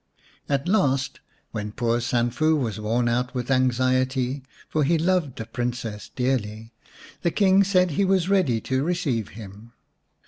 At last, when poor Sanfu was worn out with anxiety, for he loved the Princess dearly, the King said he was ready to receive him.